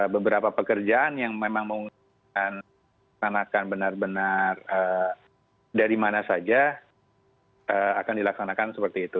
beberapa pekerjaan yang memang menggunakan benar benar dari mana saja akan dilaksanakan seperti itu